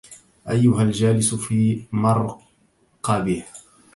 أيها الجالس في مرقبِه